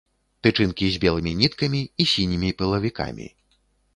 Тычынкі з белымі ніткамі і сінімі пылавікамі.